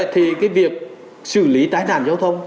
thì cái việc xử lý tai nạn giao thông